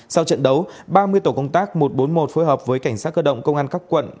sau trận đấu ba mươi tổ công tác một trăm bốn mươi một phối hợp với cảnh sát cơ động công an các quận